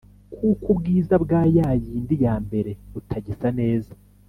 kuko ubwiza bwa ya yindi ya mbere butagisa neza